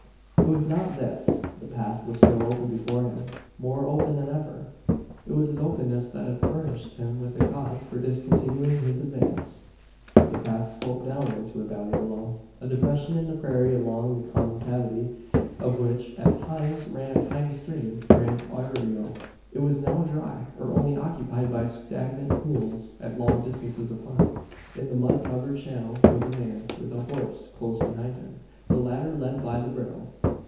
It was not this. The path was still open before him more open than ever. It was its openness that had furnished him with a cause for discontinuing his advance. The path sloped down into a valley below a depression in the prairie, along the concavity of which, at times, ran a tiny stream ran arroyo. It was now dry, or only occupied by stagnant pools, at long distances apart. In the mud covered channel was a man, with a horse close behind him the latter led by the bridle.